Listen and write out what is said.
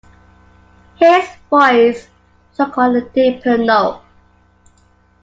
His voice took on a deeper note.